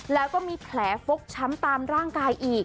แล้วก็มีแผลฟกช้ำออกทางร่างกาย